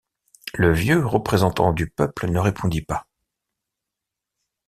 Le vieux représentant du peuple ne répondit pas.